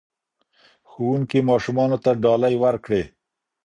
ښوونکي ماشومانو ته ډالۍ ورکړې.